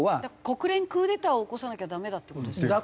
国連クーデターを起こさなきゃダメだって事ですね。